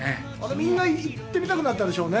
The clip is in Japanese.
みんな、行ってみたくなったでしょうね。